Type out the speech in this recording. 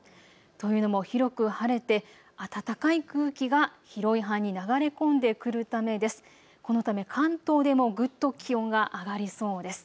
というのも広く晴れて暖かい空気が広い範囲に流れ込んでくるためです。